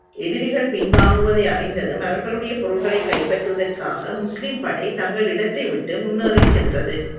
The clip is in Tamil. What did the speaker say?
எதிரிகள் பின் வாங்குவதை அறிந்ததும் அவர்களுடைய பொருள்களைக் கைப்பற்றுவதற்காக, முஸ்லிம் படை தங்கள் இடத்தை விட்டு முன்னேறிச் சென்றது.